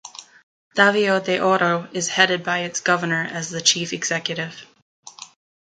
Davao de Oro is headed by its governor as the chief executive.